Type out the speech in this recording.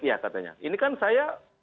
ya katanya ini kan saya